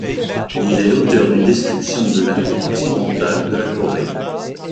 Il est l´auteur d´une description de la côte occidentale de la Corée.